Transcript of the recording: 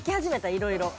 いろいろ。